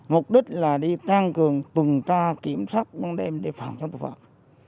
mục đích là đi tăng cường tổn tra kiểm soát đem đề phạm cho tội phạm